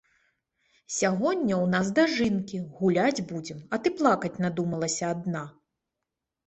Сягоння ў нас дажынкі, гуляць будзем, а ты плакаць надумалася адна.